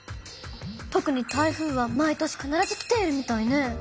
とくに台風は毎年かならず来ているみたいね。